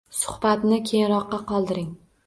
Suhbatni keyinroqqa qoldiring.